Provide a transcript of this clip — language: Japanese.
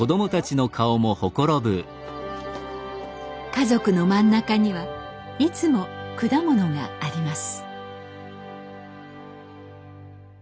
家族の真ん中にはいつも果物があります。